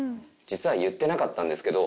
実は言ってなかったんですけど。